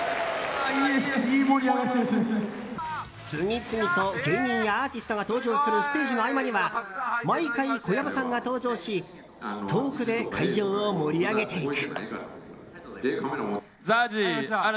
次々と芸人やアーティストが登場するステージの合間には毎回、小籔さんが登場しトークで会場を盛り上げていく。